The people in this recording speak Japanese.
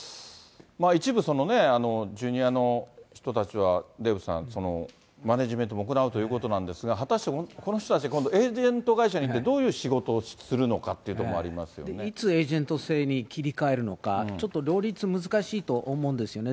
一部、ジュニアの人たちは、デーブさん、マネジメントも行うということなんですが、果たしてこの人たちがエージェント会社にいて、どういう仕事をするのかっていうところいつエージェント制に切り替えるのか、ちょっと両立難しいと思うんですよね。